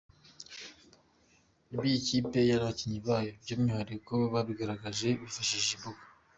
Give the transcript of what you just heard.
biyi kipe nabakinnyi bayo byumwihariko babigaragaje bifashishije imbuga.